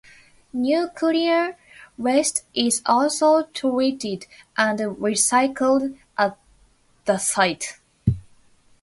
Nuclear waste is also treated and recycled at the site.